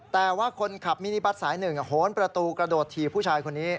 แต่ว่าคนขับมินิบัตรสายหนึ่งโหนประตูกระโดดถีบผู้ชายคนนี้